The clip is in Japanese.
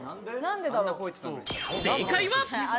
正解は。